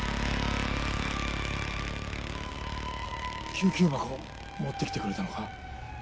救急箱持ってきてくれたのか？